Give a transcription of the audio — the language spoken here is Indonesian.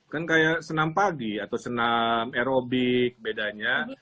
kan kayak senam pagi atau senam aerobik bedanya